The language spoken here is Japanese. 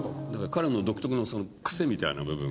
彼の独特の癖みたいな部分が。